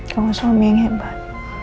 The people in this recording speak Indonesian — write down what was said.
kamu suami yang hebat